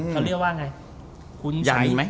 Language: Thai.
เขาเรียกว่าไง